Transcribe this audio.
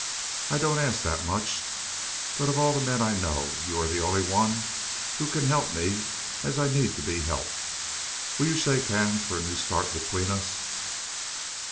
I don't ask that much, but of all the men I know you are the only one who can help me as I need to be helped. Will you shake hands for a new start between us?"